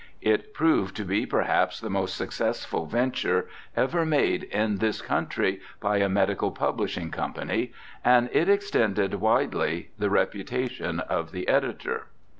It proved to be perhaps the most successful venture ever made in this country by a medical publishing company, and it extended widely the reputation of the editor.